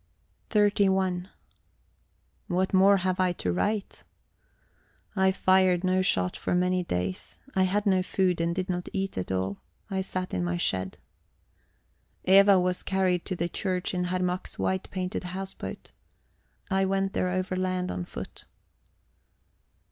XXXI What more have I to write? I fired no shot for many days; I had no food, and did not eat at all; I sat in my shed. Eva was carried to the church in Herr Mack's white painted house boat. I went there overland on foot...